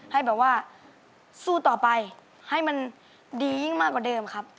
ให้แบบว่าสู้ต่อไปให้มันดียิ่งมากกว่าเดิมครับ